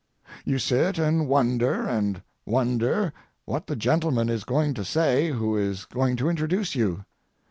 You sit and wonder and wonder what the gentleman is going to say who is going to introduce you.